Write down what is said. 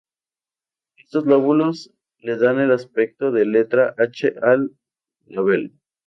Estos lóbulos le dan el aspecto de letra H al labelo.